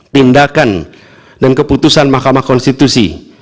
tindakan dan keputusan mahkamah konstitusi